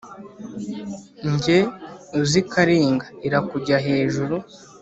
Jye uzi Karinga, irakujya hejuru